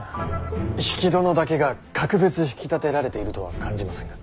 比企殿だけが格別引き立てられているとは感じませんが。